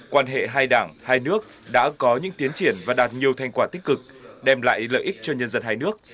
quan hệ hai đảng hai nước đã có những tiến triển và đạt nhiều thành quả tích cực đem lại lợi ích cho nhân dân hai nước